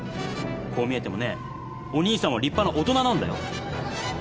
こう見えてもねお兄さんは立派な大人なんだよ！